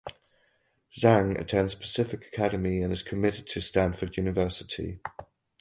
Zhang attends Pacific Academy and is committed to Stanford University.